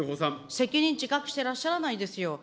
責任、自覚してらっしゃらないですよ。